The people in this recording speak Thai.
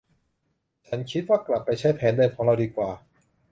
ฉันคิดว่ากลับไปใช้แผนเดิมของเราดีกว่า